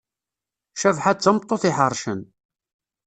Cabḥa d tameṭṭut iḥercen.